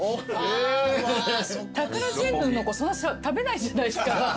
タカラジェンヌの子そんな食べないじゃないですか。